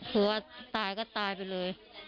คือว่าตายก็ตายไปเลย